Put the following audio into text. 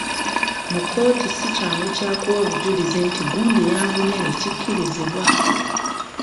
Mu kkooti si kyangu kyakuwa bujulizi nti gundi yanvumye ne kikkirizibwa.